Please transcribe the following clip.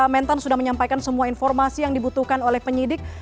mentan sudah menyampaikan semua informasi yang dibutuhkan oleh penyidik